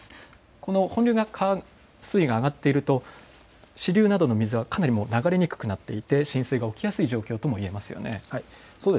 この本流が水位が上がっていると支流などの水はかなり流れにくくなっていて浸水が起きやすい状況ともいえますよね。